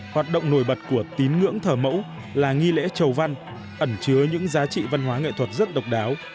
hoạt động nổi bật của tín ngưỡng thờ mẫu là nghi lễ trầu văn ẩn chứa những giá trị văn hóa nghệ thuật rất độc đáo